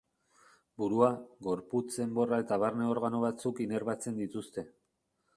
Burua, gorputz enborra eta barne organo batzuk inerbatzen dituzte.